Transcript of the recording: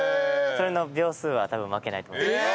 それの秒数は多分負けないと。